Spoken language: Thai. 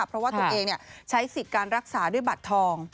เพราะว่าตัวเองใช้สิทธิ์การรักษาด้วยบัตรทอง